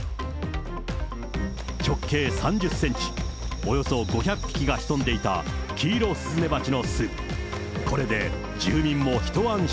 直径３０センチ、およそ５００匹が潜んでいたキイロスズメバチの巣。